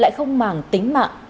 lại không màng tính mạng